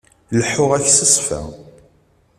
Leḥḥuɣ-ak s ṣṣfa.